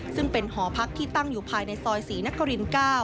ซึ่งเป็นหอพักที่ตั้งอยู่ภายในซอยศรีนคริน๙